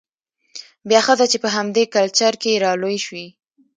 بيا ښځه چې په همدې کلچر کې رالوى شوې،